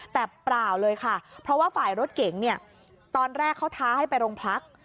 แต่เปล่าเลยค่ะเพราะว่าฝ่ายรถเก๋งเนี่ยตอนแรกเขาท้าให้ไปโรงพัก